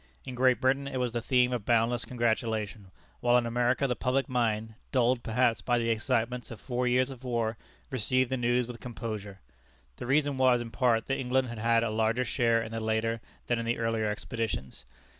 In Great Britain it was the theme of boundless congratulation, while in America the public mind dulled perhaps by the excitements of four years of war received the news with composure. The reason was, in part, that England had had a larger share in the later than in the earlier expeditions.